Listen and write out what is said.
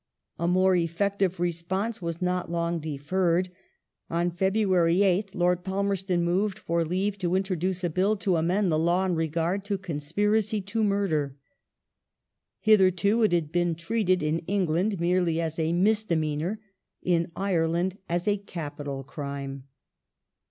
A more effective response was not long defen ed. On February Con 8th Lord Palmerston moved for leave to introduce a Bill to amend Iq^^^a the law in regard to conspiracy to murder. Hitherto it had been Bill treated in England merely as a misdemeanour, in Ireland as a capital crime.